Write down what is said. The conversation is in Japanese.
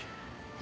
え？